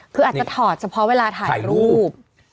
คืออาจจะถอดเฉพาะเวลาถ่ายรูป